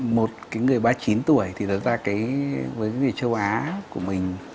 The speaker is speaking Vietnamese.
một người ba mươi chín tuổi thì với người châu á của mình